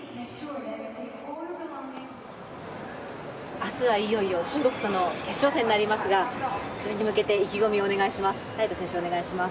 明日はいよいよ中国との決戦になりますが、それに向けて意気込みをお願いします。